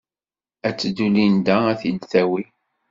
Ad teddu Linda ad t-id-tawey.